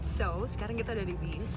jadi sekarang kita sudah di bus